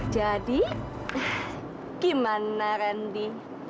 jadi gimana randi